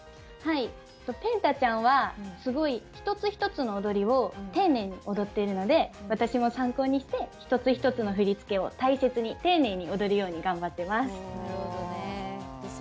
ぺんたちゃんはすごい一つ一つの踊りを丁寧に踊っているので私も参考にして一つ一つの振り付けを大切に丁寧に踊るように頑張ってます。